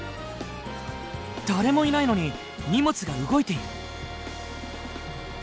誰もいないのに荷物が動いている。